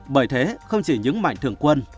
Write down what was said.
bởi thế không chỉ những mạnh thường quân